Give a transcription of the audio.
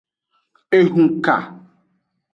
Ehunka.